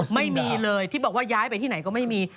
ไม่มีเลยที่บอกว่าย้ายไปที่ไหนก็ไม่มี